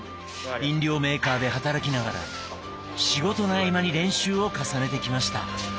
飲料メーカーで働きながら仕事の合間に練習を重ねてきました。